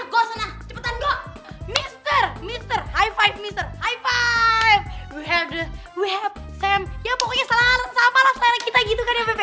eh enggak go sana cepetan go mister mister high five mister high five we have sam ya pokoknya salah salah salah kita gitu kan ya bebep ya